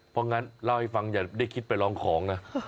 เพราะงั้นเล่าให้ฟังอย่าได้คิดไปลองของนะ